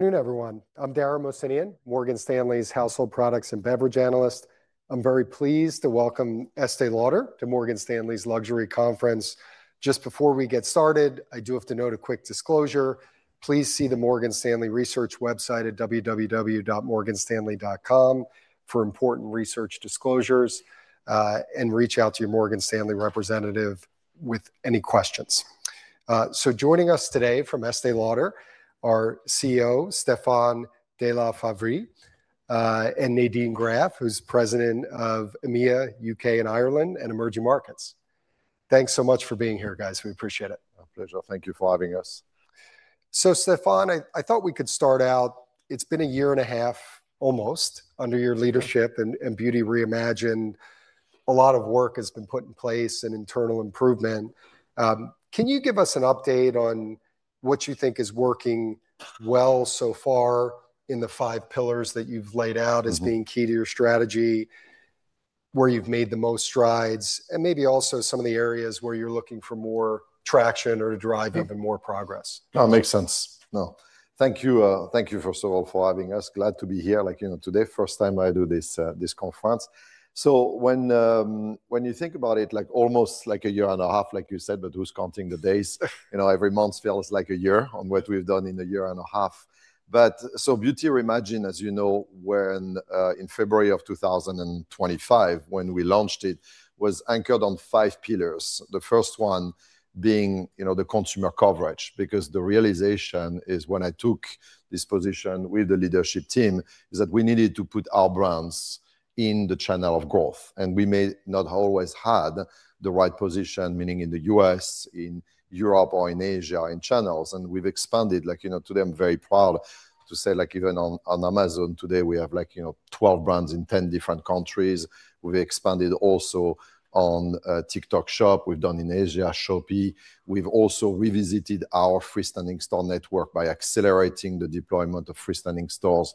Good afternoon, everyone. I'm Dara Mohsenian, Morgan Stanley's Household Products and Beverage Analyst. I'm very pleased to welcome Estée Lauder to Morgan Stanley's Luxury Conference. Just before we get started, I do have to note a quick disclosure. Please see the Morgan Stanley Research website at www.morganstanley.com for important research disclosures and reach out to your Morgan Stanley representative with any questions. Joining us today from Estée Lauder are CEO Stéphane de La Faverie and Nadine Graf, who's President of EMEA, U.K., and Ireland, and Emerging Markets. Thanks so much for being here, guys. We appreciate it. Our pleasure. Thank you for having us. Stéphane, I thought we could start out, it's been a 1.5 years, almost under your leadership- Yeah.... and Beauty Reimagined. A lot of work has been put in place and internal improvement. Can you give us an update on what you think is working well so far in the five pillars that you've laid out? As being key to your strategy, where you've made the most strides, and maybe also some of the areas where you're looking for more traction- Yeah... or drive even more progress? No, it makes sense. No. Thank you. Thank you, first of all, for having us. Glad to be here. Like, you know, today, first time I do this conference. When you think about it, like, almost like a 1.5 years, like you said, but who's counting the days. You know, every month feels like a year- Right.... on what we've done in 1.5 years. Beauty Reimagined, as you know, when in February of 2025, when we launched it, was anchored on five pillars. The first one being, you know, the consumer coverage because the realization is when I took this position with the leadership team, is that we needed to put our brands in the channel of growth. We may not always had the right position, meaning in the U.S., in Europe, or in Asia, in channels, and we've expanded. Like, you know, today I'm very proud to say, like even on Amazon today we have like, you know, 12 brands in 10 different countries. We've expanded also on TikTok Shop. We've done in Asia, Shopee. We've also revisited our freestanding store network by accelerating the deployment of freestanding stores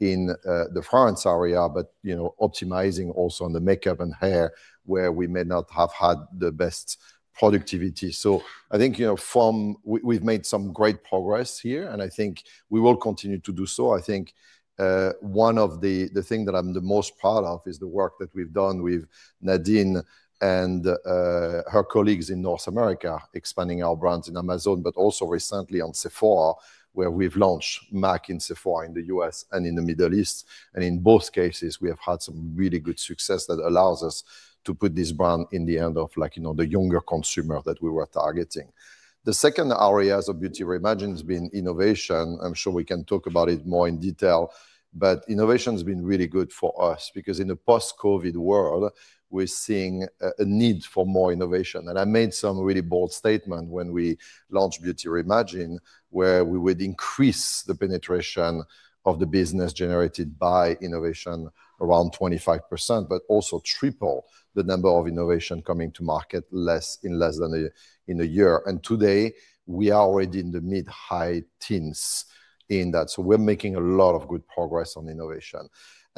in the fragrance area, but, you know, optimizing also on the makeup and hair where we may not have had the best productivity. I think, you know, we've made some great progress here, and I think we will continue to do so. I think one of the thing that I'm the most proud of is the work that we've done with Nadine and her colleagues in North America, expanding our brands in Amazon, but also recently on Sephora, where we've launched M·A·C in Sephora in the U.S. and in the Middle East. In both cases, we have had some really good success that allows us to put this brand in the hand of like, you know, the younger consumer that we were targeting. The second areas of Beauty Reimagined has been innovation. I'm sure we can talk about it more in detail, but innovation's been really good for us because in the post-COVID world, we're seeing a need for more innovation. I made some really bold statement when we launched Beauty Reimagined, where we would increase the penetration of the business generated by innovation around 25%, but also triple the number of innovation coming to market in less than a year, in a year. Today we are already in the mid-high teens in that. We're making a lot of good progress on innovation.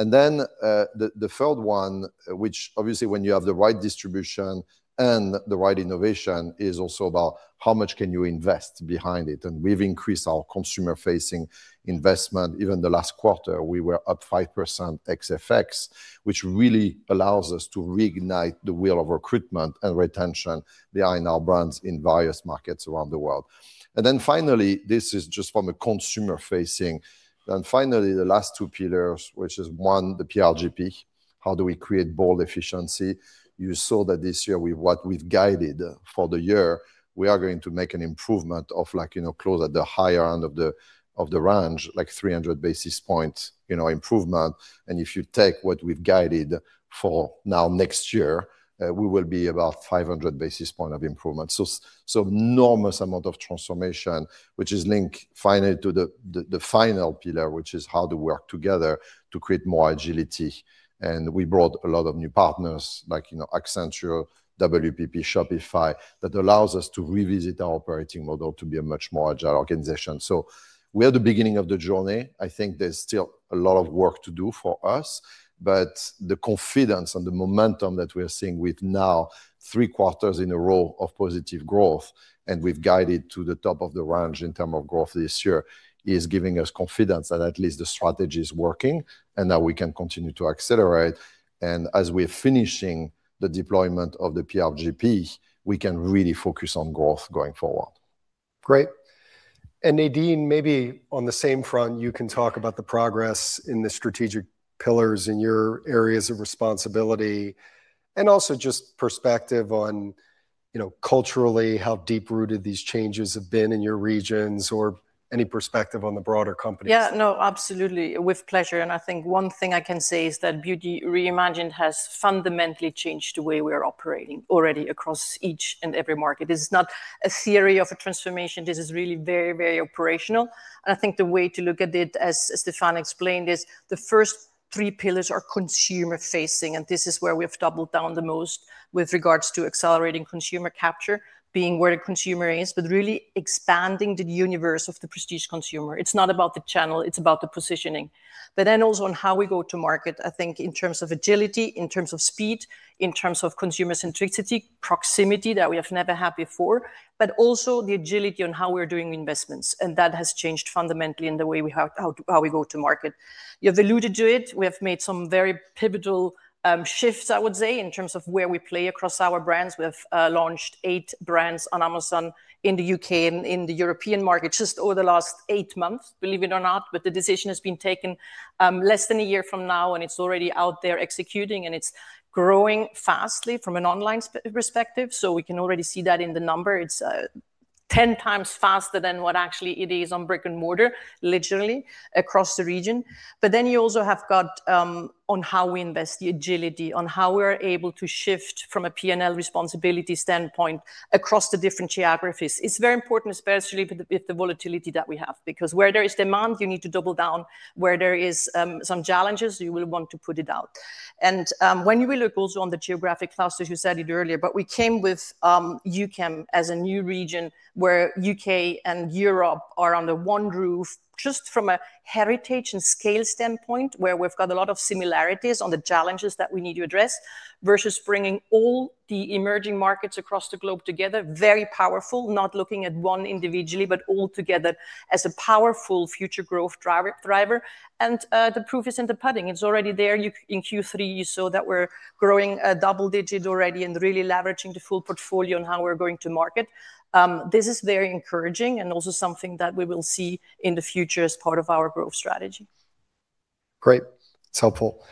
Then the third one, which obviously when you have the right distribution and the right innovation, is also about how much can you invest behind it, and we've increased our consumer-facing investment. Even the last quarter we were up 5% ex-FX, which really allows us to reignite the wheel of recruitment and retention behind our brands in various markets around the world. Then finally, this is just from a consumer-facing. Finally, the last two pillars, which is one, the PRGP, how do we create bold efficiency? You saw that this year with what we've guided for the year, we are going to make an improvement of like, you know, close at the higher end of the, of the range, like 300 basis points, you know, improvement. If you take what we've guided for now next year, we will be about 500 basis point of improvement. So enormous amount of transformation, which is linked finally to the final pillar, which is how to work together to create more agility. We brought a lot of new partners like, you know, Accenture, WPP, Shopify, that allows us to revisit our operating model to be a much more agile organization. We are the beginning of the journey. I think there's still a lot of work to do for us. But the confidence and the momentum that we are seeing with now three quarters in a row of positive growth, and we've guided to the top of the range in term of growth this year, is giving us confidence that at least the strategy is working and that we can continue to accelerate. As we're finishing the deployment of the PRGP, we can really focus on growth going forward. Great. Nadine, maybe on the same front, you can talk about the progress in the strategic pillars in your areas of responsibility, and also just perspective on, you know, culturally, how deep-rooted these changes have been in your regions or any perspective on the broader companies? Yeah. No, absolutely. With pleasure. I think one thing I can say is that Beauty Reimagined has fundamentally changed the way we are operating already across each and every market. This is not a theory of a transformation. This is really very, very operational. I think the way to look at it, as Stéphane explained, is the first three pillars are consumer-facing. This is where we have doubled down the most with regards to accelerating consumer capture, being where the consumer is, but really expanding the universe of the prestige consumer. It's not about the channel, it's about the positioning. Also on how we go to market, I think in terms of agility, in terms of speed, in terms of consumer centricity, proximity that we have never had before. Also the agility on how we're doing investments, and that has changed fundamentally in the way we have how we go to market. You've alluded to it, we have made some very pivotal shifts, I would say, in terms of where we play across our brands. We have launched eight brands on Amazon in the U.K. and in the European market just over the last eight months, believe it or not. The decision has been taken less than a year from now, and it's already out there executing, and it's growing fastly from an online perspective, so we can already see that in the number. It's 10x faster than what actually it is on brick and mortar, literally, across the region. You also have got, on how we invest the agility, on how we're able to shift from a P&L responsibility standpoint across the different geographies. It's very important, especially with the volatility that we have. Because where there is demand, you need to double down. Where there is, some challenges, you will want to put it out. When we look also on the geographic clusters, you said it earlier, but we came with EUKEM as a new region where U.K. and Europe are under one roof just from a heritage and scale standpoint, where we've got a lot of similarities on the challenges that we need to address, versus bringing all the emerging markets across the globe together. Very powerful, not looking at one individually, but all together as a powerful future growth driver. The proof is in the pudding. It's already there. In Q3, you saw that we're growing double-digit already and really leveraging the full portfolio on how we're going to market. This is very encouraging and also something that we will see in the future as part of our growth strategy. Great. That's helpful.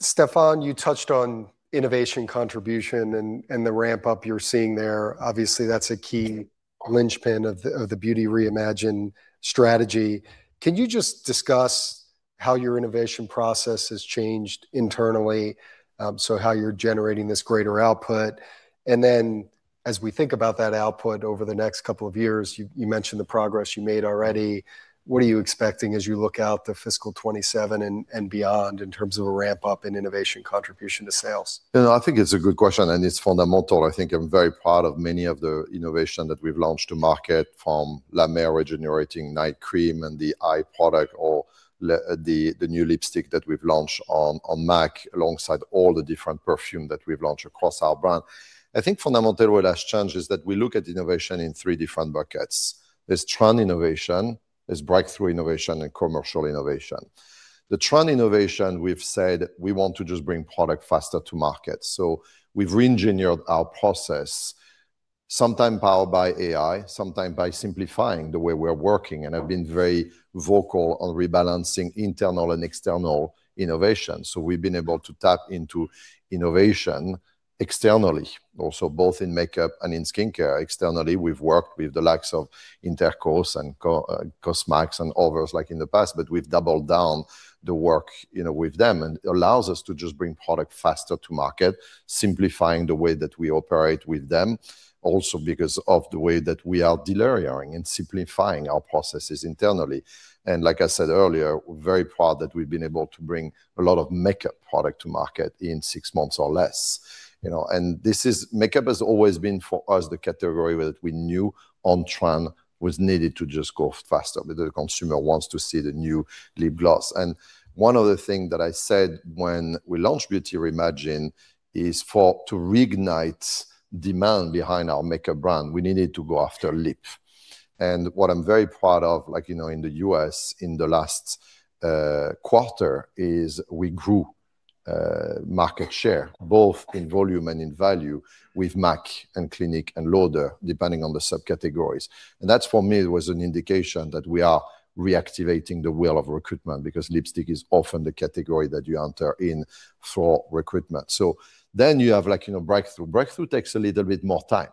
Stéphane, you touched on innovation contribution and the ramp-up you're seeing there. Obviously, that's a key linchpin of the Beauty Reimagined strategy. Can you just discuss how your innovation process has changed internally, so how you're generating this greater output? As we think about that output over the next couple of years, you mentioned the progress you made already. What are you expecting as you look out to fiscal 2027 and beyond in terms of a ramp-up in innovation contribution to sales? You know, I think it's a good question, and it's fundamental. I think I'm very proud of many of the innovation that we've launched to market, from La Mer The Rejuvenating Night Cream and the eye product or the new lipstick that we've launched on M·A·C, alongside all the different perfume that we've launched across our brand. I think fundamental what has changed is that we look at innovation in three different buckets. There's trend innovation, there's breakthrough innovation, and commercial innovation. The trend innovation, we've said we want to just bring product faster to market. We've reengineered our process. Sometime powered by AI, sometime by simplifying the way we're working. I've been very vocal on rebalancing internal and external innovation. We've been able to tap into innovation externally also, both in makeup and in skincare. Externally, we've worked with the likes of Intercos and Cosmax and others like in the past, but we've doubled down the work, you know, with them. It allows us to just bring product faster to market, simplifying the way that we operate with them. Also because of the way that we are delayering and simplifying our processes internally. Like I said earlier, we're very proud that we've been able to bring a lot of makeup product to market in six months or less. You know, this is makeup has always been, for us, the category that we knew on trend was needed to just go faster, where the consumer wants to see the new lip gloss. One other thing that I said when we launched Beauty Reimagined is to reignite demand behind our makeup brand, we needed to go after lip. What I'm very proud of in the U.S., in the last quarter, is we grew market share both in volume and in value with M·A·C and Clinique and Lauder, depending on the subcategories. That, for me, was an indication that we are reactivating the wheel of recruitment, because lipstick is often the category that you enter in for recruitment. You have breakthrough. Breakthrough takes a little bit more time.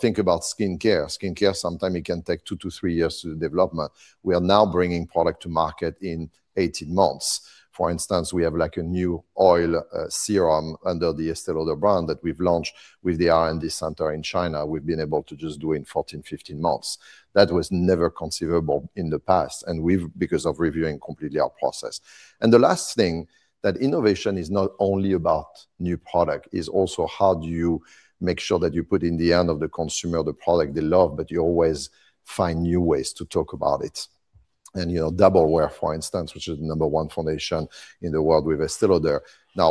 Think about skincare. Skincare, sometime it can take two to three years to development. We are now bringing product to market in 18 months. For instance, we have a new oil serum under the Estée Lauder brand that we've launched with the R&D center in China. We've been able to just do in 14, 15 months. That was never conceivable in the past, and we've because of reviewing completely our process. The last thing, that innovation is not only about new product. It's also how do you make sure that you put in the hand of the consumer the product they love, but you always find new ways to talk about it. You know, Double Wear, for instance, which is the number one foundation in the world with Estée Lauder.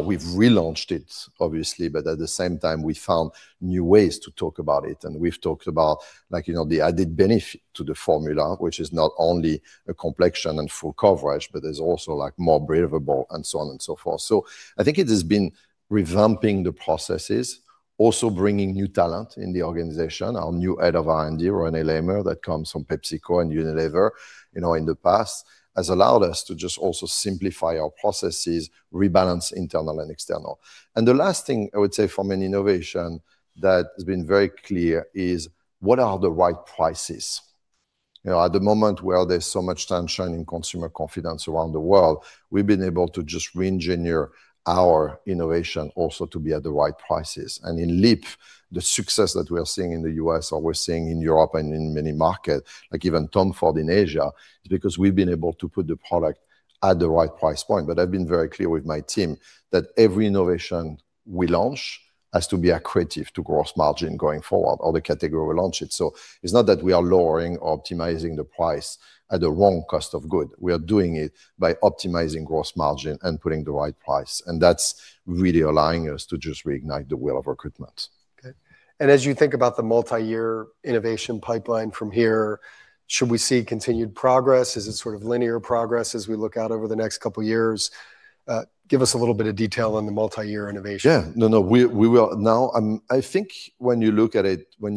We've relaunched it. Obviously, but at the same time, we found new ways to talk about it. We've talked about, like, you know, the added benefit to the formula, which is not only a complexion and full coverage, but there's also, like, more breathable and so on and so forth. I think it has been revamping the processes, also bringing new talent in the organization. Our new Head of R&D, René Lammers, that comes from PepsiCo and Unilever, you know, in the past has allowed us to just also simplify our processes, rebalance internal and external. The last thing I would say from an innovation that has been very clear is what are the right prices? You know, at the moment where there's so much tension in consumer confidence around the world, we've been able to just reengineer our innovation also to be at the right prices. In lip, the success that we are seeing in the U.S. or we're seeing in Europe and in many markets, like even TOM FORD in Asia, is because we've been able to put the product at the right price point. I've been very clear with my team that every innovation we launch has to be accretive to gross margin going forward or the category we launch it. It's not that we are lowering or optimizing the price at the wrong cost of good, we are doing it by optimizing gross margin and putting the right price. That's really allowing us to just reignite the wheel of recruitment. Okay. As you think about the multi-year innovation pipeline from here, should we see continued progress? Is it sort of linear progress as we look out over the next couple years? Give us a little bit of detail on the multi-year innovation. No, no, we will. Now, I think when you look at it, when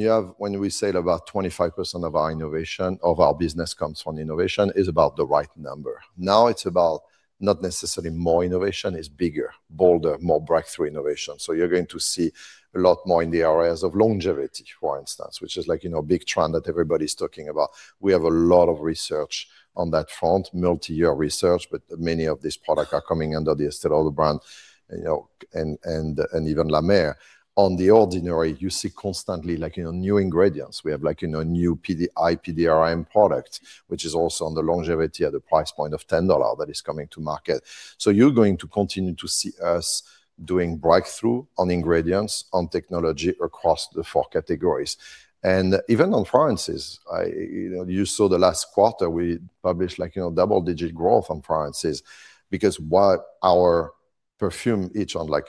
we say about 25% of our innovation, of our business comes from innovation, it's about the right number. Now, it's about not necessarily more innovation. It's bigger, bolder, more breakthrough innovation. You're going to see a lot more in the areas of longevity, for instance, which is like, you know, a big trend that everybody's talking about. We have a lot of research on that front, multi-year research. Many of these products are coming under the Estée Lauder brand, you know, and, and even La Mer. On The Ordinary, you see constantly, like, you know, new ingredients. We have, like, you know, new [PD-IPDRN] product, which is also on the longevity at the price point of $10 that is coming to market. You're going to continue to see us doing breakthrough on ingredients, on technology across the four categories. Even on fragrances. You saw the last quarter. We published, like, you know, double-digit growth on fragrances. Because what our perfume, each on, like,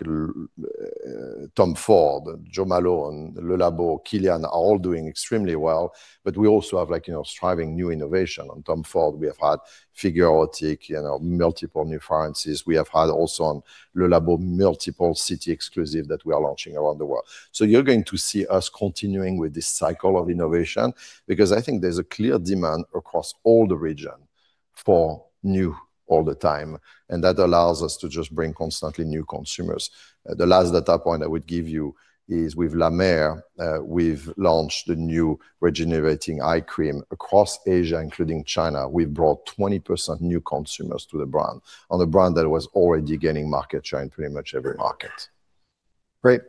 TOM FORD, Jo Malone, Le Labo, KILIAN are all doing extremely well. We also have, like, you know, thriving new innovation. On TOM FORD, we have had Figue Érotique, you know, multiple new fragrances. We have had also on Le Labo, multiple city exclusive that we are launching around the world. You're going to see us continuing with this cycle of innovation because I think there's a clear demand across all the region for new all the time, and that allows us to just bring constantly new consumers. The last data point I would give you is with La Mer. We've launched a new regenerating eye cream across Asia, including China. We've brought 20% new consumers to the brand, on a brand that was already gaining market share in pretty much every market. Great.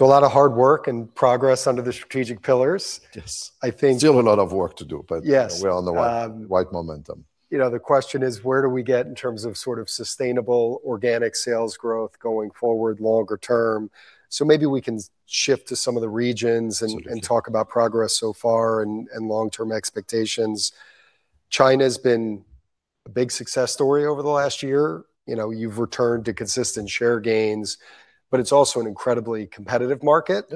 A lot of hard work and progress under the strategic pillars. Yes. I think- Still a lot of work to do. Yes. We're on the right momentum. You know, the question is, where do we get in terms of sort of sustainable organic sales growth going forward longer term? Maybe we can shift to some of the regions and- Absolutely.... talk about progress so far and long-term expectations. China's been a big success story over the last year. You know, you've returned to consistent share gains, but it's also an incredibly competitive market.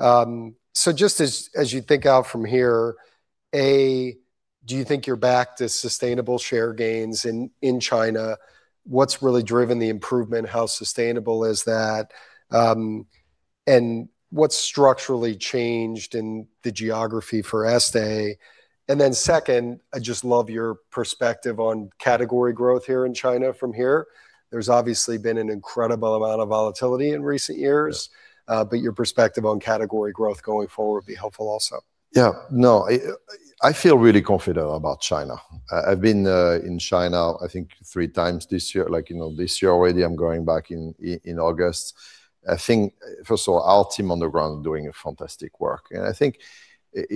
Yep. Just as you think out from here, A, do you think you're back to sustainable share gains in China? What's really driven the improvement, how sustainable is that? What's structurally changed in the geography for Estée? Second, I just love your perspective on category growth here in China from here. There's obviously been an incredible amount of volatility in recent years- Yeah.... but your perspective on category growth going forward would be helpful also. Yeah. No, I feel really confident about China. I've been in China, I think, 3 times this year. Like, you know, this year already, I'm going back in August. I think, first of all, our team on the ground are doing a fantastic work. I think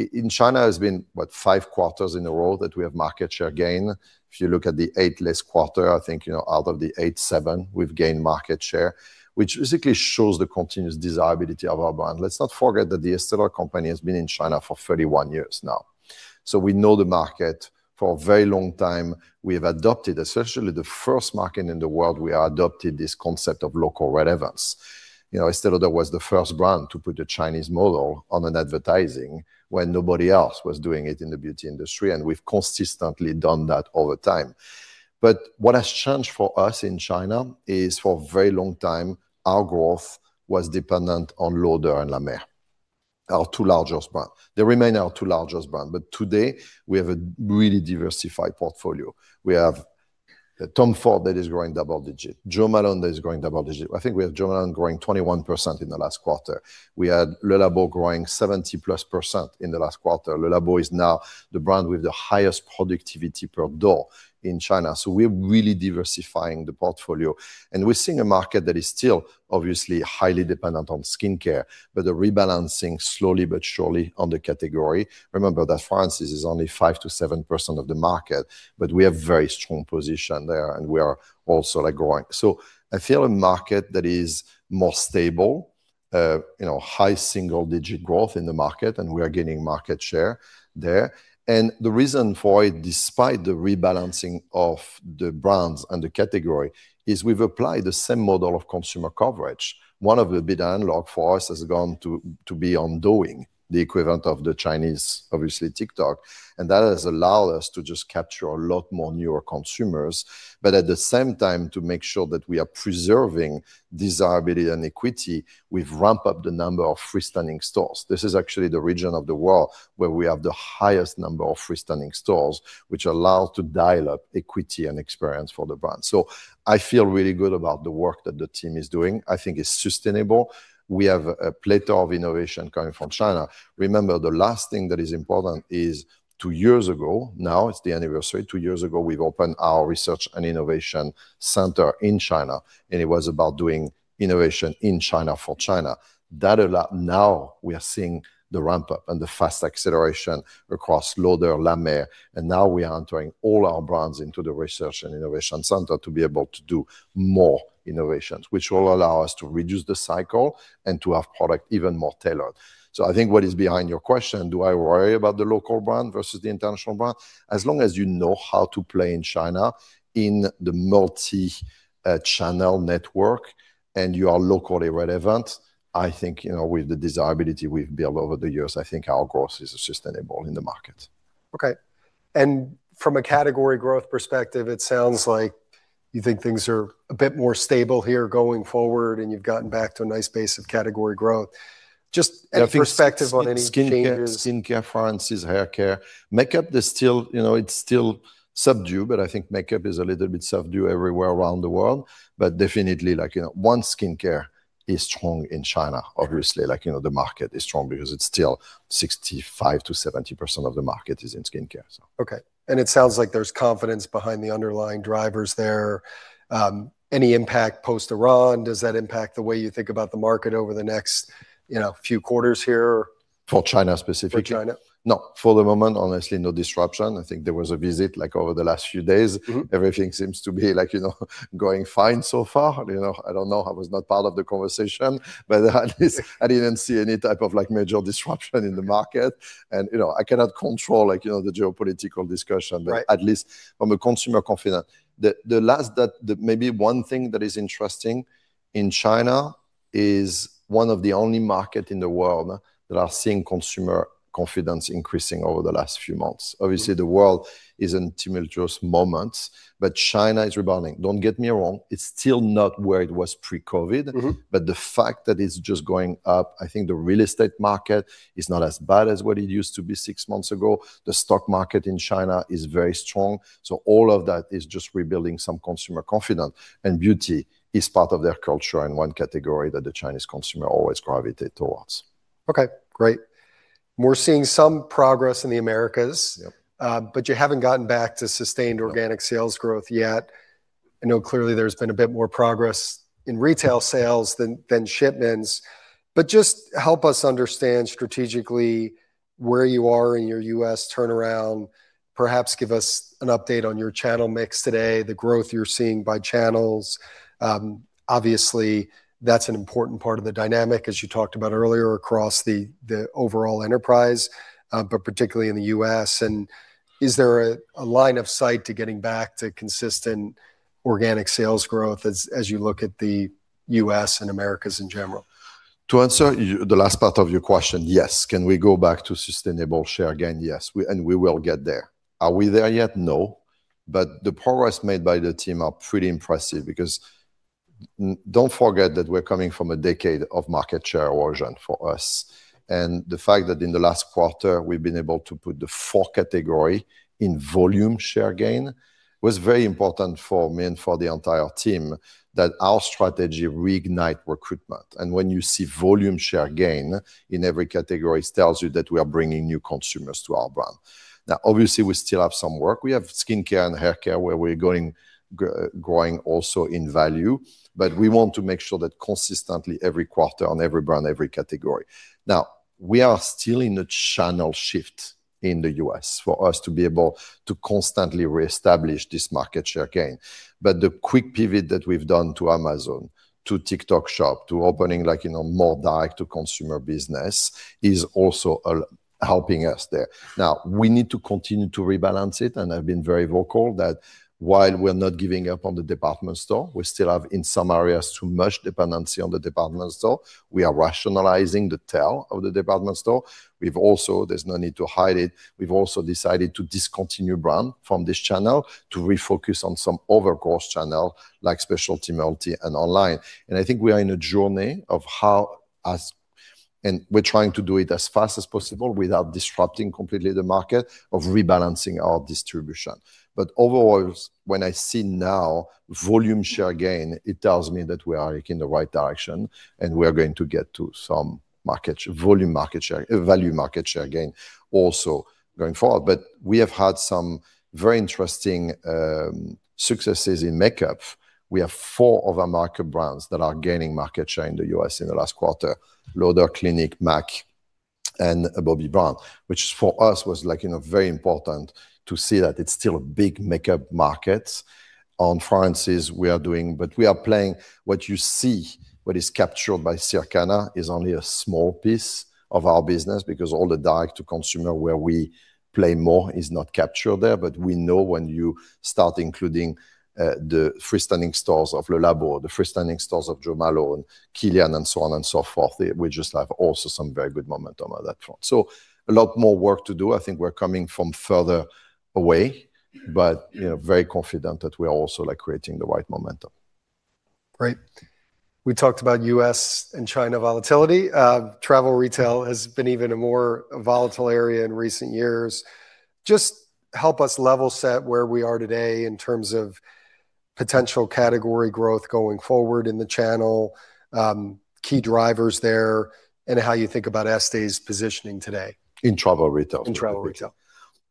in China has been, what, five quarters in a row that we have market share gain. If you look at the eight less quarter, I think, you know, out of the eight quarters, seven quarters, we've gained market share, which basically shows the continuous desirability of our brand. Let's not forget that The Estée Lauder Companies has been in China for 31 years now. We know the market for a very long time. We have adopted, especially the first market in the world, we are adopted this concept of local relevance. You know, Estée Lauder was the first brand to put a Chinese model on an advertising when nobody else was doing it in the beauty industry, and we've consistently done that over time. What has changed for us in China is for a very long time, our growth was dependent on Lauder and La Mer, our two largest brands. They remain our two largest brand. Today, we have a really diversified portfolio. We have TOM FORD that is growing double-digit. Jo Malone that is growing double-digit. I think we have Jo Malone growing 21% in the last quarter. We had Le Labo growing 70%+ in the last quarter. Le Labo is now the brand with the highest productivity per door in China. We're really diversifying the portfolio. We're seeing a market that is still obviously highly dependent on skincare, but they're rebalancing slowly but surely on the category. Remember that fragrances is only 5%-7% of the market, but we have very strong position there. We are also, like, growing. I feel a market that is more stable, you know, high single-digit growth in the market, and we are gaining market share there. The reason for it, despite the rebalancing of the brands and the category, is we've applied the same model of consumer coverage. One of the big analog for us has gone to be on Douyin, the equivalent of the Chinese, obviously, TikTok. That has allowed us to just capture a lot more newer consumers. At the same time, to make sure that we are preserving desirability and equity, we've ramped up the number of freestanding stores. This is actually the region of the world where we have the highest number of freestanding stores, which allow to dial up equity and experience for the brand. I feel really good about the work that the team is doing. I think it's sustainable. We have a plateau of innovation coming from China. Remember, the last thing that is important is two years ago, now it's the anniversary. Two years ago we've opened our research and innovation center in China, and it was about doing innovation in China for China. Now we are seeing the ramp-up and the fast acceleration across Lauder, La Mer. Now, we are entering all our brands into the research and innovation center to be able to do more innovations, which will allow us to reduce the cycle and to have product even more tailored. I think what is behind your question, do I worry about the local brand versus the international brand? As long as you know how to play in China in the multi-channel network and you are locally relevant, I think, you know, with the desirability we've built over the years, I think our growth is sustainable in the market. Okay. From a category growth perspective, it sounds like you think things are a bit more stable here going forward, and you've gotten back to a nice base of category growth. Just any perspective on any changes? Yeah. I think skincare, fragrances, haircare. Makeup is still, you know, it's still subdued. I think makeup is a little bit subdued everywhere around the world. Definitely like, you know, one, skincare is strong in China, obviously. Like, you know, the market is strong because it's still 65%-70% of the market is in skincare. Okay. It sounds like there's confidence behind the underlying drivers there. Any impact post Iran, does that impact the way you think about the market over the next, you know, few quarters here? For China specifically? For China. No. For the moment, honestly, no disruption. I think there was a visit over the last few days. Everything seems to be like, you know, going fine so far. You know, I don't know. I was not part of the conversation, but at least I didn't see any type of like major disruption in the market. You know, I cannot control like, you know, the geopolitical discussion. Right. At least from a consumer confidence, the last that maybe one thing that is interesting in China is one of the only market in the world that are seeing consumer confidence increasing over the last few months. Obviously, the world is in tumultuous moments. China is rebounding. Don't get me wrong, it's still not where it was pre-COVID. The fact that it's just going up, I think the real estate market is not as bad as what it used to be six months ago. The stock market in China is very strong. All of that is just rebuilding some consumer confidence. Beauty is part of their culture and one category that the Chinese consumer always gravitate towards. Okay, great. We're seeing some progress in the Americas. Yep. You haven't gotten back to- No.... sustain organic sales growth yet. I know clearly there's been a bit more progress in retail sales than shipments. Just help us understand strategically where you are in your U.S. turnaround? Perhaps give us an update on your channel mix today, the growth you're seeing by channels. Obviously, that's an important part of the dynamic as you talked about earlier across the overall enterprise, but particularly in the U.S. Is there a line of sight to getting back to consistent organic sales growth as you look at the U.S. and Americas in general? To answer the last part of your question, yes. Can we go back to sustainable share again? Yes, we will get there. Are we there yet? No. The progress made by the team are pretty impressive because don't forget that we're coming from a decade of market share erosion for us. The fact that in the last quarter, we've been able to put the four category in volume share gain was very important for me and for the entire team that our strategy reignite recruitment. When you see volume share gain in every categories, it tells you that we are bringing new consumers to our brand. Now, obviously, we still have some work. We have skincare and haircare where we're going growing also in value, but we want to make sure that consistently every quarter on every brand, every category. We are still in a channel shift in the U.S. for us to be able to constantly reestablish this market share gain. The quick pivot that we've done to Amazon, to TikTok Shop, to opening like, you know, more direct-to-consumer business is also helping us there. We need to continue to rebalance it, and I've been very vocal that while we're not giving up on the department store, we still have, in some areas, too much dependency on the department store. We are rationalizing the tail of the department store. We've also, there's no need to hide it, we've also decided to discontinue brand from this channel to refocus on some other growth channel like specialty, multi, and online. I think we are in a journey of how... and we're trying to do it as fast as possible without disrupting completely the market of rebalancing our distribution. Overall, when I see now volume share gain, it tells me that we are, like, in the right direction. We are going to get to some volume market share, value market share gain, also going forward. We have had some very interesting successes in makeup. We have four of our market brands that are gaining market share in the U.S. in the last quarter: Lauder, Clinique, M·A·C, and Bobbi Brown, which for us was like, you know, very important to see that it's still a big makeup market. On fragrances, we are doing, but we are playing what you see, what is captured by Circana is only a small piece of our business because all the direct-to-consumer where we play more is not captured there. We know when you start including the freestanding stores of Le Labo, or the freestanding stores of Jo Malone, KILIAN, and so on and so forth. We just have also some very good momentum on that front. A lot more work to do. I think we're coming from further away, but, you know, very confident that we are also, like, creating the right momentum. Great. We talked about U.S. and China volatility. Travel retail has been even a more volatile area in recent years. Just help us level set where we are today in terms of potential category growth going forward in the channel, key drivers there, and how you think about Estée's positioning today? In travel retail? In travel retail.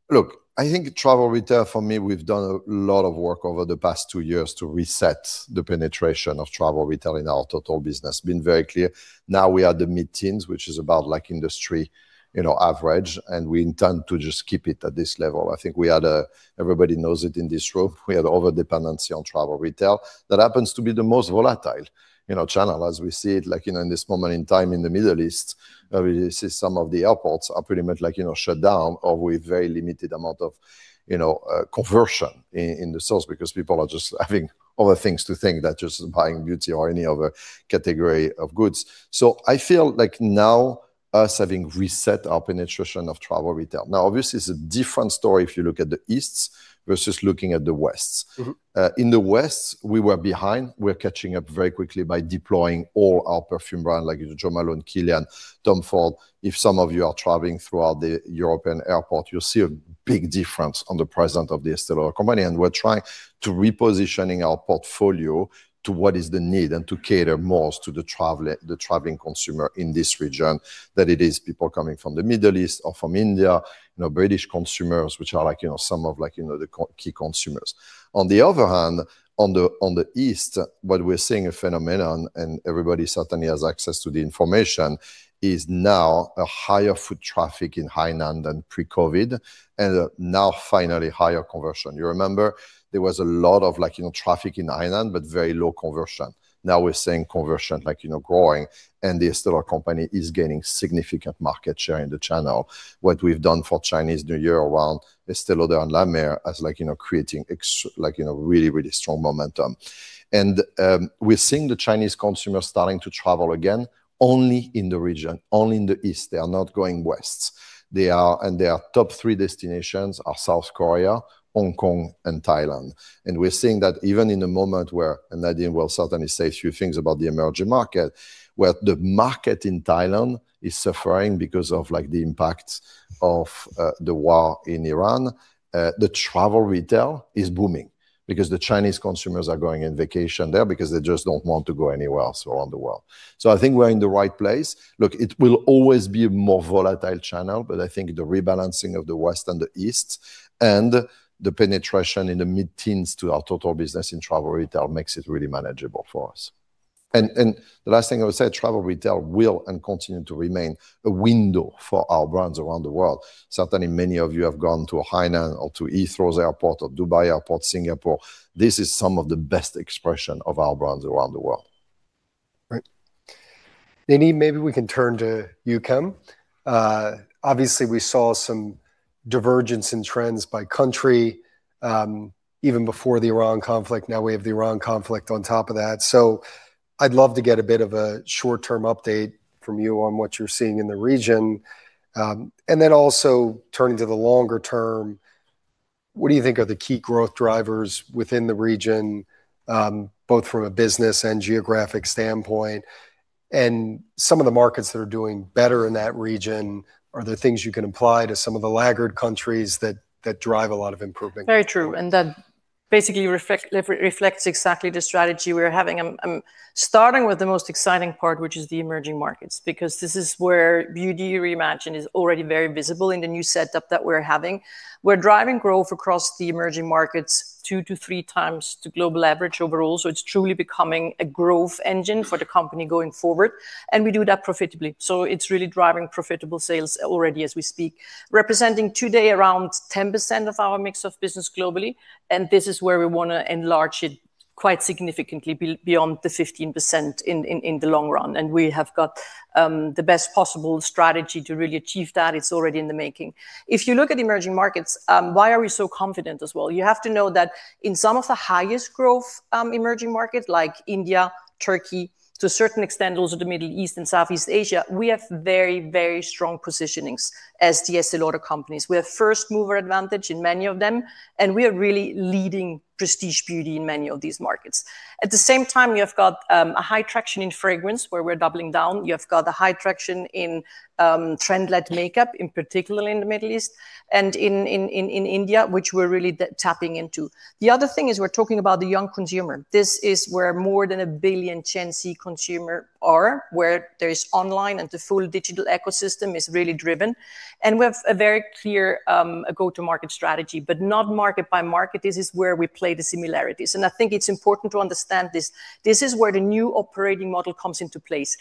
Look. I think travel retail for me, we've done a lot of work over the past two years to reset the penetration of travel retail in our total business, been very clear. Now we are at the mid-teens, which is about, like, industry, you know, average. We intend to just keep it at this level. Everybody knows it in this room. We had over-dependency on travel retail that happens to be the most volatile, you know, channel as we see it, like, you know, in this moment in time in the Middle East. We see some of the airports are pretty much, like, you know, shut down or with very limited amount of, you know, conversion in the stores because people are just having other things to think than just buying beauty or any other category of goods. I feel like now us having reset our penetration of travel retail. Obviously, it's a different story if you look at the East versus looking at the West. In the West, we were behind. We're catching up very quickly by deploying all our perfume brand, like Jo Malone, KILIAN, TOM FORD. If some of you are traveling throughout the European airport, you'll see a big difference on the presence of The Estée Lauder Companies. We're trying to repositioning our portfolio to what is the need and to cater most to the traveling consumer in this region, that it is people coming from the Middle East or from India. You know, British consumers, which are like, you know, some of like, you know, key consumers. On the other hand, on the East, what we're seeing a phenomenon, and everybody certainly has access to the information, is now a higher foot traffic in Hainan than pre-COVID. Now finally higher conversion. You remember there was a lot of, like, you know, traffic in Hainan, but very low conversion. Now we're seeing conversion, like, you know, growing. The Estée Lauder Companies is gaining significant market share in the channel. What we've done for Chinese New Year around Estée Lauder and La Mer as like, you know, creating really strong momentum. We're seeing the Chinese consumer starting to travel again only in the region, only in the East. They are not going West. They are. Their top three destinations are South Korea, Hong Kong, and Thailand. We're seeing that even in the moment where, Nadine will certainly say a few things about the emerging market, where the market in Thailand is suffering because of the impact of the war in Iran. The travel retail is booming because the Chinese consumers are going on vacation there because they just don't want to go anywhere else around the world. I think we're in the right place. Look, it will always be a more volatile channel. But I think the rebalancing of the West and the East and the penetration in the mid-teens to our total business in travel retail makes it really manageable for us. The last thing I would say, travel retail will and continue to remain a window for our brands around the world. Certainly, many of you have gone to Hainan or to Heathrow Airport or Dubai Airport, Singapore. This is some of the best expression of our brands around the world. Right. Nadine, maybe we can turn to EUKEM. Obviously, we saw some divergence in trends by country, even before the Iran conflict. Now we have the Iran conflict on top of that. I'd love to get a bit of a short-term update from you on what you're seeing in the region? Also, turning to the longer term, what do you think are the key growth drivers within the region, both from a business and geographic standpoint? Some of the markets that are doing better in that region, are there things you can apply to some of the laggard countries that drive a lot of improvement? Very true. That basically reflects exactly the strategy we're having. I'm starting with the most exciting part, which is the emerging markets, because this is where Beauty Reimagined is already very visible in the new setup that we're having. We're driving growth across the emerging markets 2x-3x the global average overall. It's truly becoming a growth engine for the company going forward. We do that profitably. It's really driving profitable sales already as we speak, representing today around 10% of our mix of business globally. This is where we wanna enlarge it quite significantly beyond the 15% in the long run. We have got the best possible strategy to really achieve that. It's already in the making. If you look at emerging markets, why are we so confident as well? You have to know that in some of the highest growth, emerging markets like India, Turkey, to a certain extent also the Middle East and Southeast Asia, we have very, very strong positionings as The Estée Lauder Companies. We have first mover advantage in many of them, and we are really leading prestige beauty in many of these markets. At the same time, you have got a high traction in fragrance where we're doubling down. You have got a high traction in trend-led makeup, in particular in the Middle East, and in India, which we're really tapping into. The other thing is we're talking about the young consumer. This is where more than 1 billion Gen Z consumer are, where there's online and the full digital ecosystem is really driven. We have a very clear go-to-market strategy, but not market by market. This is where we play the similarities, and I think it's important to understand this. This is where the new operating model comes into place.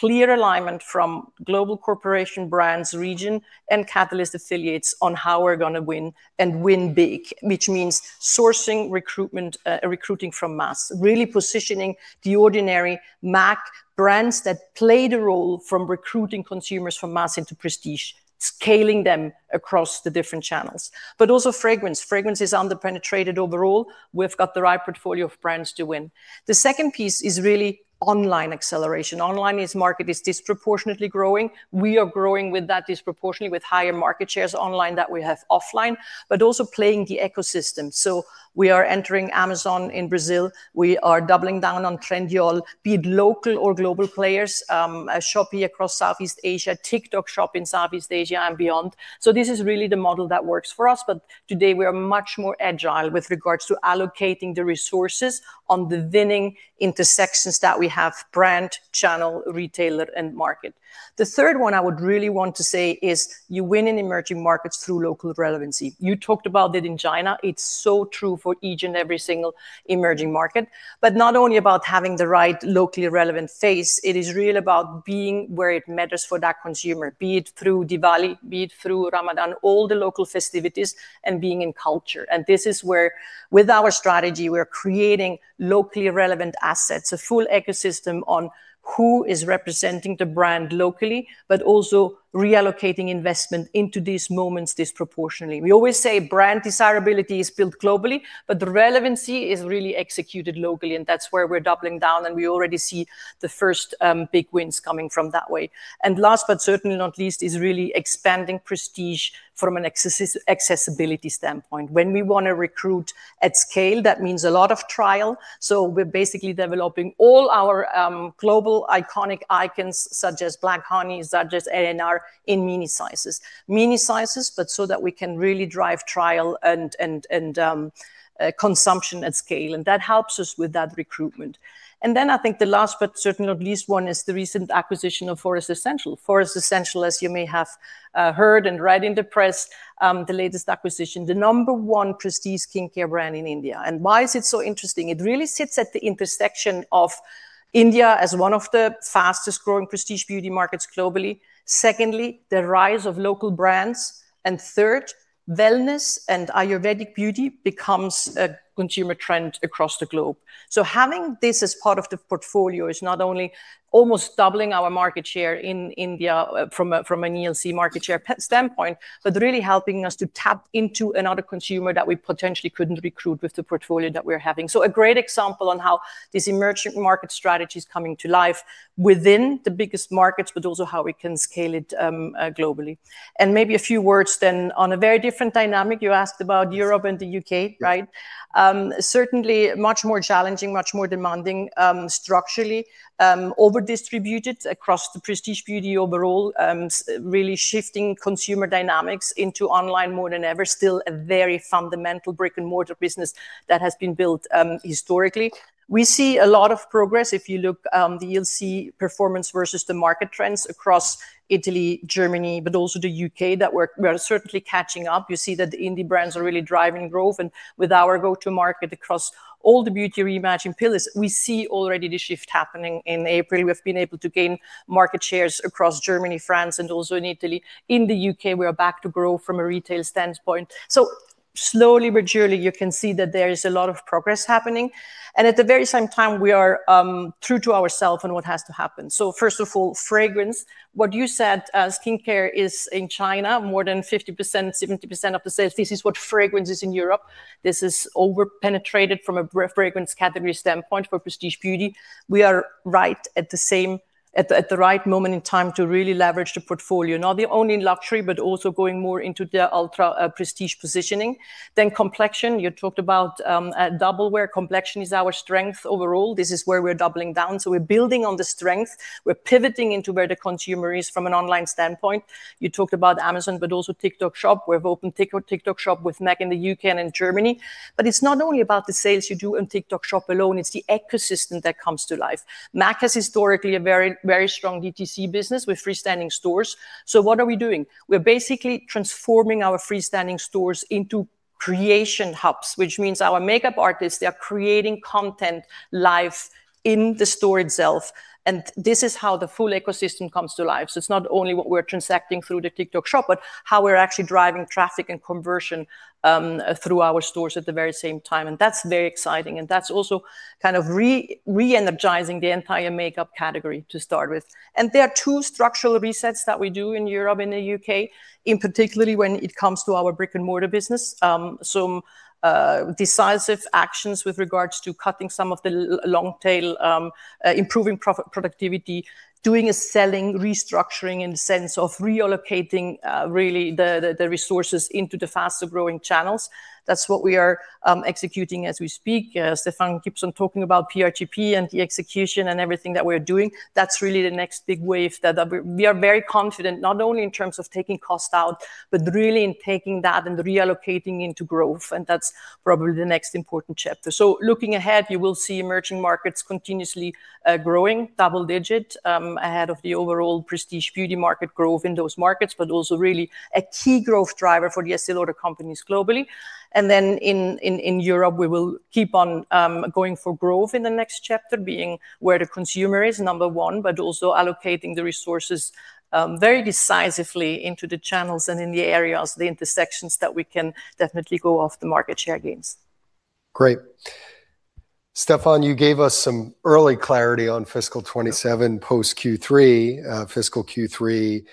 Clear alignment from global corporation brands, region, and catalyst affiliates on how we're gonna win and win big, which means sourcing recruitment, recruiting from mass, really positioning The Ordinary, M·A·C, brands that play the role from recruiting consumers from mass into prestige, scaling them across the different channels. Also fragrance. Fragrance is under-penetrated overall. We've got the right portfolio of brands to win. The second piece is really online acceleration. Online market is disproportionately growing. We are growing with that disproportionately with higher market shares online than we have offline, but also playing the ecosystem. We are entering Amazon in Brazil. We are doubling down on Trendyol, be it local or global players. Shopee across Southeast Asia. TikTok Shop in Southeast Asia and beyond. This is really the model that works for us. Today we are much more agile with regards to allocating the resources on the winning intersections that we have: brand, channel, retailer, and market. The third one I would really want to say is you win in emerging markets through local relevancy. You talked about it in China. It's so true for each and every single emerging market. Not only about having the right locally relevant face, it is really about being where it matters for that consumer, be it through Diwali, be it through Ramadan, all the local festivities and being in culture. This is where, with our strategy, we're creating locally relevant assets. A full ecosystem on who is representing the brand locally, but also reallocating investment into these moments disproportionately. We always say brand desirability is built globally, but the relevancy is really executed locally, and that's where we're doubling down, and we already see the first big wins coming from that way. Last but certainly not least, is really expanding prestige from an accessibility standpoint. When we want to recruit at scale, that means a lot of trial, so we're basically developing all our global iconic icons such as Black Honey, such as ANR, in mini sizes. Mini sizes, that we can really drive trial and consumption at scale, and that helps us with that recruitment. I think the last but certainly not least one is the recent acquisition of Forest Essential. Forest Essential, as you may have heard and read in the press, the latest acquisition. The number one prestige skincare brand in India. Why is it so interesting? It really sits at the intersection of India as one of the fastest growing prestige beauty markets globally. Secondly, the rise of local brands. Third, wellness and Ayurvedic beauty becomes a consumer trend across the globe. Having this as part of the portfolio is not only almost doubling our market share in India from an ELC market share standpoint, but really helping us to tap into another consumer that we potentially couldn't recruit with the portfolio that we're having. A great example on how this emerging market strategy is coming to life within the biggest markets, but also how we can scale it globally. Maybe a few words then on a very different dynamic. You asked about Europe and the U.K., right? Certainly much more challenging, much more demanding, structurally. Over-distributed across the prestige beauty overall, really shifting consumer dynamics into online more than ever. Still a very fundamental brick-and-mortar business that has been built historically. We see a lot of progress if you look, the ELC performance versus the market trends across Italy, Germany, but also the U.K. that we are certainly catching up. You see that the indie brands are really driving growth, and with our go-to-market across all the Beauty Reimagined pillars, we see already the shift happening. In April, we've been able to gain market shares across Germany, France, and also in Italy. In the U.K., we are back to grow from a retail standpoint. Slowly but surely you can see that there is a lot of progress happening, and at the very same time, we are true to ourself on what has to happen. First of all, fragrance. What you said as skincare is in China. More than 50%-70% of the sales. This is what fragrance is in Europe. This is over-penetrated from a fragrance category standpoint for prestige beauty. We are right at the same, at the right moment in time to really leverage the portfolio. Not the only in luxury, but also going more into the ultra prestige positioning. Complexion, you talked about Double Wear. Complexion is our strength overall. This is where we're doubling down, so we're building on the strength. We're pivoting into where the consumer is from an online standpoint. You talked about Amazon, also TikTok Shop. We've opened TikTok Shop with M·A·C in the U.K. and in Germany. It's not only about the sales you do on TikTok Shop alone, it's the ecosystem that comes to life. M·A·C has historically a very strong DTC business with freestanding stores. What are we doing? We're basically transforming our freestanding stores into creation hubs, which means our makeup artists, they are creating content live in the store itself. This is how the full ecosystem comes to life. It's not only what we're transacting through the TikTok Shop, but how we're actually driving traffic and conversion through our stores at the very same time. That's very exciting. That's also kind of reenergizing the entire makeup category to start with. There are two structural resets that we do in Europe and the U.K., in particular when it comes to our brick-and-mortar business. Some decisive actions with regards to cutting some of the long tail, improving profit productivity, doing a selling restructuring in the sense of reallocating really the resources into the faster-growing channels. That's what we are executing as we speak. Stéphane keeps on talking about PRGP and the execution and everything that we're doing. That's really the next big wave that we are very confident. Not only in terms of taking cost out, but really in taking that and reallocating into growth, and that's probably the next important chapter. Looking ahead, you will see emerging markets continuously growing double digit ahead of the overall prestige beauty market growth in those markets, but also really a key growth driver for The Estée Lauder Companies globally. In Europe, we will keep on going for growth in the next chapter, being where the consumer is, number one. But also allocating the resources very decisively into the channels and in the areas. The intersections that we can definitely go after market share gains. Great. Stéphane, you gave us some early clarity on fiscal 2027 post Q3, fiscal Q3.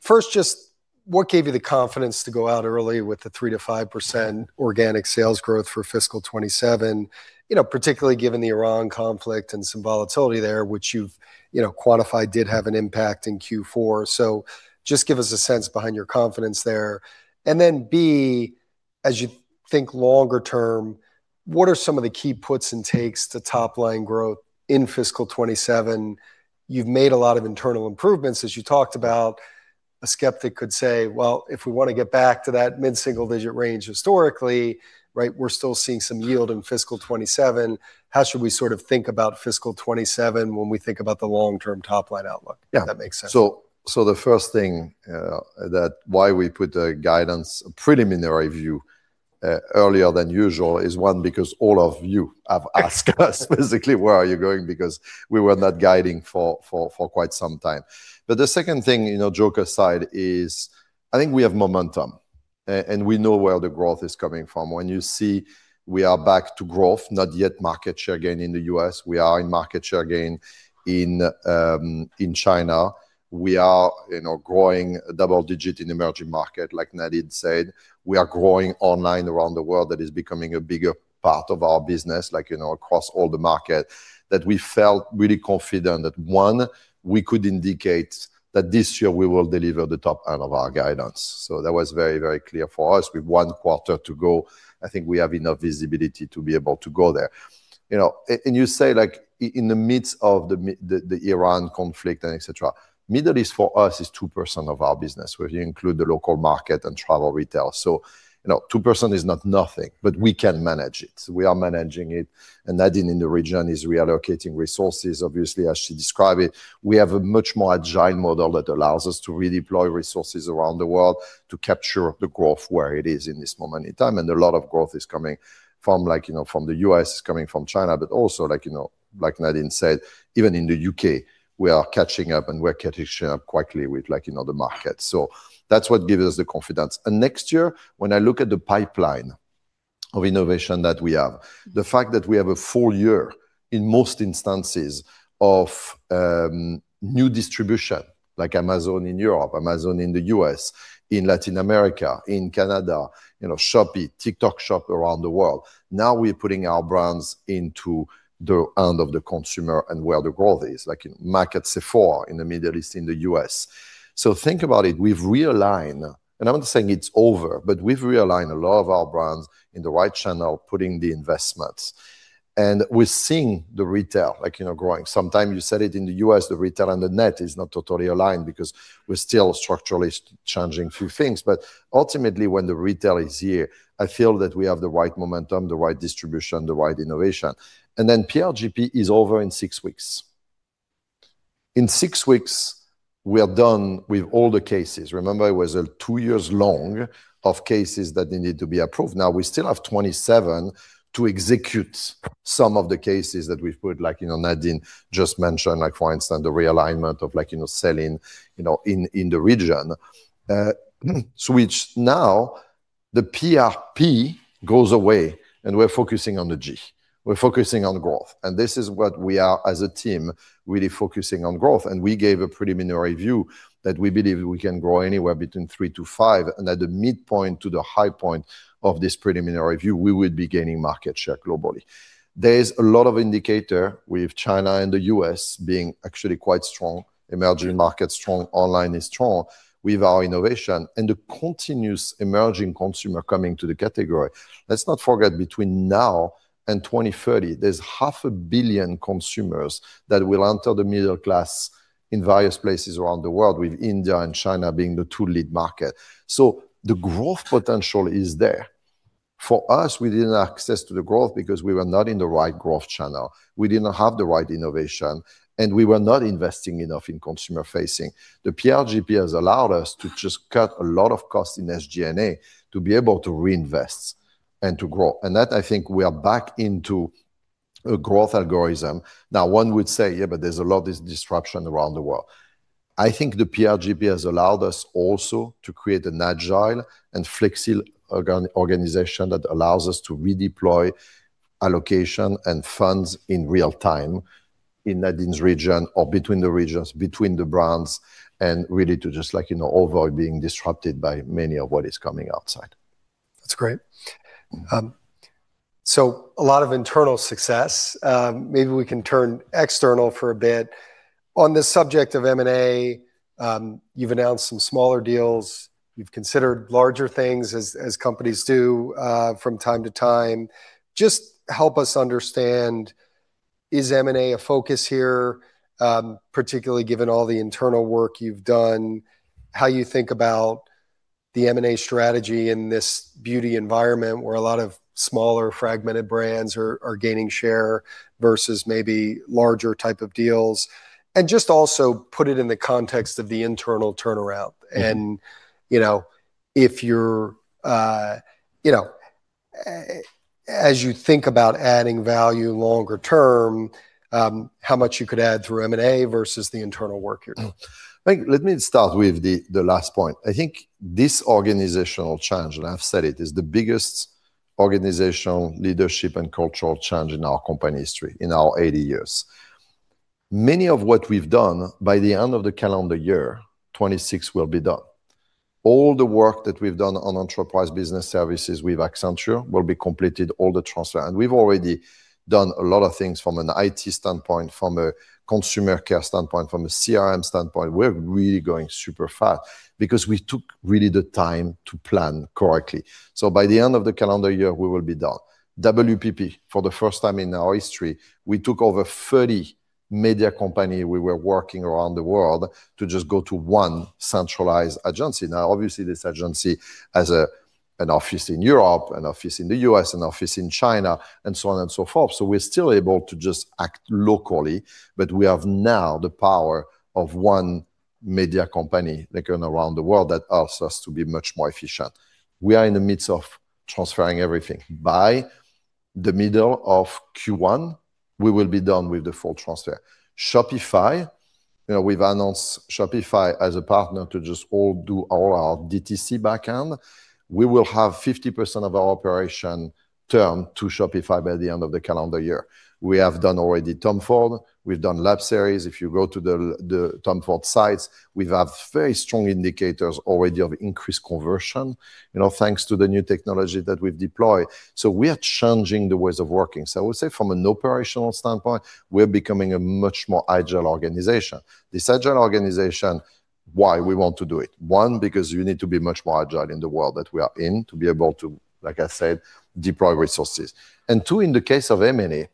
First, just what gave you the confidence to go out early with the 3%-5% organic sales growth for fiscal 2027? You know, particularly given the Iran conflict and some volatility there, which you've, you know, quantified did have an impact in Q4. Just give us a sense behind your confidence there. Then B, as you think longer term, what are some of the key puts and takes to top line growth in fiscal 2027? You've made a lot of internal improvements, as you talked about. A skeptic could say, "Well, if we wanna get back to that mid-single digit range historically, right, we're still seeing some yield in fiscal 2027." How should we sort of think about fiscal 2027 when we think about the long-term top-line outlook? Yeah. If that makes sense. The first thing that why we put the guidance? A preliminary view earlier than usual is, one, because all of you have asked us basically, where are you going, because we were not guiding for quite some time. The second thing, you know, joke aside is I think we have momentum, and we know where the growth is coming from. When you see we are back to growth, not yet market share gain in the U.S. We are in market share gain in China. We are, you know, growing double-digit in emerging market, like Nadine said. We are growing online around the world. That is becoming a bigger part of our business, like, you know, across all the market that we felt really confident that, one, we could indicate that this year we will deliver the top end of our guidance. That was very, very clear for us. With one quarter to go, I think we have enough visibility to be able to go there. You know, and you say like in the midst of the Iran conflict and et cetera, Middle East for us is 2% of our business, where you include the local market and travel retail. You know, 2% is not nothing, but we can manage it. We are managing it. Nadine in the region is reallocating resources, obviously, as she described it. We have a much more agile model that allows us to redeploy resources around the world to capture the growth where it is in this moment in time. A lot of growth is coming from like, you know, from the U.S. It's coming from China. Also, like, you know, like Nadine said, even in the U.K., we are catching up, and we're catching up quickly with, like, you know, the market. That's what gives us the confidence. Next year, when I look at the pipeline of innovation that we have, the fact that we have a full year in most instances of new distribution, like Amazon in Europe, Amazon in the U.S., in Latin America, in Canada, you know, Shopee, TikTok Shop around the world. We're putting our brands into the hand of the consumer and where the growth is, like in market Sephora in the Middle East, in the U.S. Think about it, we've realigned, and I'm not saying it's over, but we've realigned a lot of our brands in the right channel, putting the investments. We're seeing the retail, like, you know, growing. Sometimes you said it in the U.S., the retail and the net is not totally aligned because we're still structurally changing few things. Ultimately, when the retail is here, I feel that we have the right momentum, the right distribution, the right innovation. PRGP is over in six weeks. In six weeks, we are done with all the cases. Remember, it was two years long of cases that they need to be approved. We still have 2027 to execute some of the cases that we've put, like you know, Nadine just mentioned, like for instance, the realignment of like you know, selling, you know, in the region. Which now the PRP goes away, and we're focusing on the G. We're focusing on growth, this is what we are as a team really focusing on growth. We gave a preliminary view that we believe we can grow anywhere between 3%-5%. At the midpoint to the high point of this preliminary view, we will be gaining market share globally. There is a lot of indicator with China and the U.S. being actually quite strong. Emerging markets strong. Online is strong with our innovation and the continuous emerging consumer coming to the category. Let's not forget, between now and 2030, there's 0.5 billion consumers that will enter the middle class in various places around the world, with India and China being the two lead market. The growth potential is there. For us, we didn't have access to the growth because we were not in the right growth channel. We did not have the right innovation, and we were not investing enough in consumer-facing. The PRGP has allowed us to just cut a lot of cost in SG&A to be able to reinvest and to grow, and that I think we are back into a growth algorithm. Now, one would say, "Yeah, but there's a lot of this disruption around the world." I think the PRGP has allowed us also to create an agile and flexible organization that allows us to redeploy allocation and funds in real time in Nadine's region or between the regions, between the brands, and really to just like, you know, avoid being disrupted by many of what is coming outside. That's great. So a lot of internal success. Maybe we can turn external for a bit. On the subject of M&A, you've announced some smaller deals. You've considered larger things as companies do from time to time. Just help us understand, is M&A a focus here, particularly given all the internal work you've done? How you think about the M&A strategy in this beauty environment where a lot of smaller fragmented brands are gaining share versus maybe larger type of deals? Just also put it in the context of the internal turnaround. Yeah. You know, if you're, you know, as you think about adding value longer term, how much you could add through M&A versus the internal work here? Like, let me start with the last point. I think this organizational change, and I've said it, is the biggest organizational leadership and cultural change in our company history in our 80 years. Many of what we've done, by the end of the calendar year 2026 will be done. All the work that we've done on enterprise business services with Accenture will be completed, all the transfer. We've already done a lot of things from an IT standpoint, from a consumer-care standpoint, from a CRM standpoint. We're really going super fast because we took really the time to plan correctly. By the end of the calendar year, we will be done. WPP, for the first time in our history, we took over 30 media company we were working around the world to just go to one centralized agency. Obviously, this agency has an office in Europe, an office in the U.S., an office in China, and so on and so forth. We're still able to just act locally. We have now the power of one media company working around the world that helps us to be much more efficient. We are in the midst of transferring everything. By the middle of Q1, we will be done with the full transfer. Shopify, you know, we've announced Shopify as a partner to just do all our DTC backend. We will have 50% of our operation turned to Shopify by the end of the calendar year. We have done already TOM FORD. We've done LAB SERIES. If you go to the TOM FORD sites, we have very strong indicators already of increased conversion, you know, thanks to the new technology that we've deployed. We are changing the ways of working. I would say from an operational standpoint, we are becoming a much more agile organization. This agile organization, why we want to do it? One, because you need to be much more agile in the world that we are in to be able to, like I said, deploy resources. Two, in the case of M&A,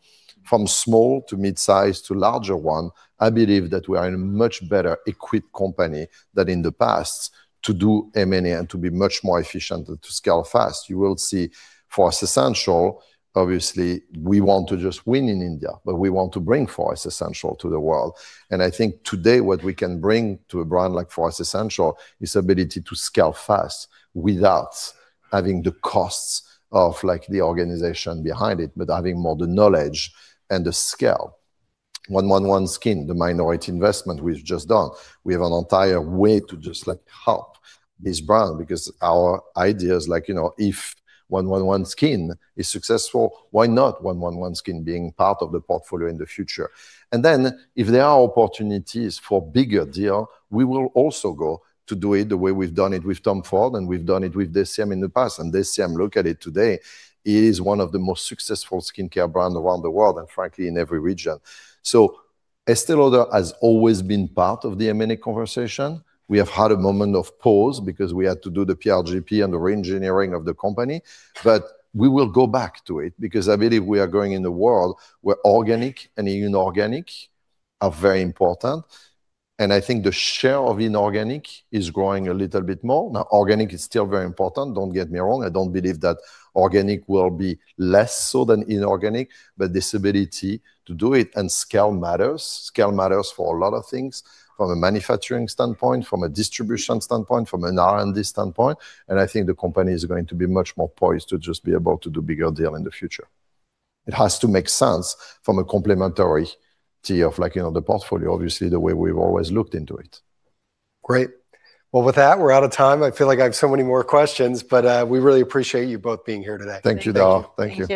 from small to mid-size to larger one. I believe that we are in a much better equipped company than in the past to do M&A and to be much more efficient and to scale fast. You will see Forest Essential. Obviously, we want to just win in India, but we want to bring Forest Essential to the world. I think today what we can bring to a brand like Forest Essential is ability to scale fast without having the costs of, like, the organization behind it, but having more the knowledge and the scale. 111SKIN, the minority investment we've just done. We have an entire way to just, like, help this brand because our idea is like, you know, if 111SKIN is successful, why not 111SKIN being part of the portfolio in the future? If there are opportunities for bigger deal, we will also go to do it the way we've done it with TOM FORD. We've done it with DECIEM in the past. DECIEM, look at it today, is one of the most successful skincare brand around the world, and frankly, in every region. Estée Lauder has always been part of the M&A conversation. We have had a moment of pause because we had to do the PRGP and the re-engineering of the company. We will go back to it because I believe we are going in a world where organic and inorganic are very important, and I think the share of inorganic is growing a little bit more. Organic is still very important, don't get me wrong. I don't believe that organic will be less so than inorganic. This ability to do it and scale matters. Scale matters for a lot of things, from a manufacturing standpoint, from a distribution standpoint, from an R&D standpoint. I think the company is going to be much more poised to just be able to do bigger deal in the future. It has to make sense from a complementarity of like, you know, the portfolio, obviously, the way we've always looked into it. Great. Well, with that, we're out of time. I feel like I have so many more questions, but we really appreciate you both being here today. Thank you, Dara. Thank you. Thank you.